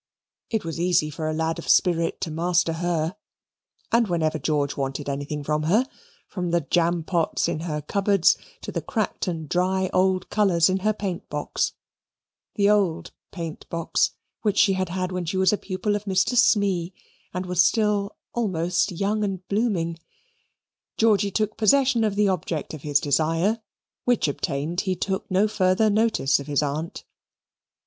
It was easy for a lad of spirit to master her. And whenever George wanted anything from her, from the jam pots in her cupboards to the cracked and dry old colours in her paint box (the old paint box which she had had when she was a pupil of Mr. Smee and was still almost young and blooming), Georgy took possession of the object of his desire, which obtained, he took no further notice of his aunt.